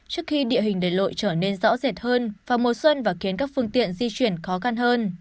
trước khi địa hình đền lội trở nên rõ rệt hơn vào mùa xuân và khiến các phương tiện di chuyển khó khăn hơn